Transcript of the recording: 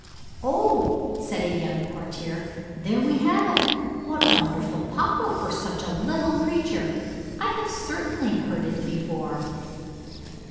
'Oh!' said a young courtier, 'there we have it. What wonderful power for such a little creature; I have certainly heard it before.'